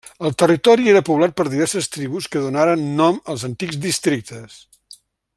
El territori era poblat per diverses tribus que donaren nom als antics districtes.